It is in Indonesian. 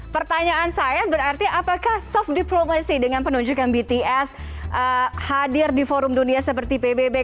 pertanyaan saya berarti apakah soft diplomacy dengan penunjukan bts hadir di forum dunia seperti pbb